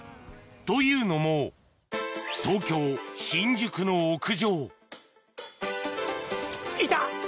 というのも東京・新宿の屋上いた！